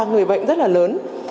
người bệnh rất là lớn